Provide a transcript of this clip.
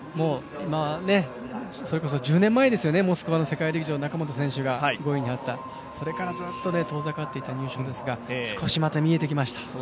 それこそ１０年前ですよね、モスクワの世界陸上中本選手が５位に入ったそれからずっと遠ざかっていた入賞ですから、少しまた見えてきました。